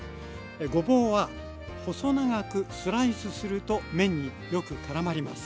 ごぼうは細長くスライスすると麺によくからまります。